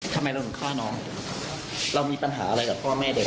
ทำไมเราถึงฆ่าน้องเรามีปัญหาอะไรกับพ่อแม่เด็ก